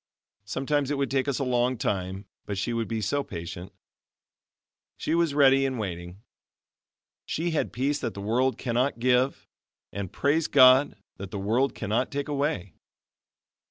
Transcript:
Sometimes it would take us a long time, but she would be so patient. She was ready and waiting. She had peace that the world cannot give, and, praise God! that the world cannot take away.